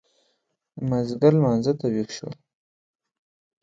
د مازیګر لمانځه ته وېښ شولو.